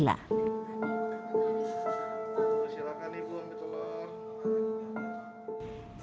silakan ibu ambil telur